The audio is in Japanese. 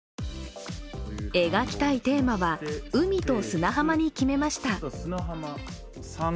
描きたいテーマは、海と砂浜に決めました。